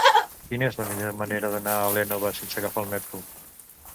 Quina és la millor manera d'anar a l'Énova sense agafar el metro?